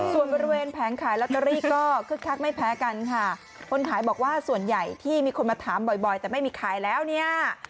ส่วนบริเวณแผงขายลอตเตอรี่ก็คึกคักไม่แพ้กันค่ะคนขายบอกว่าส่วนใหญ่ที่มีคนมาถามบ่อยบ่อยแต่ไม่มีขายแล้วเนี่ย